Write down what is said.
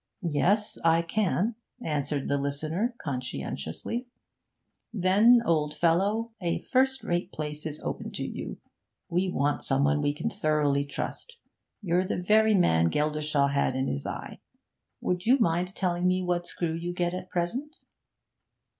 'Yes, I can,' answered the listener conscientiously. 'Then, old fellow, a first rate place is open to you. We want some one we can thoroughly trust; you're the very man Geldershaw had in his eye. Would you mind telling me what screw you get at present?'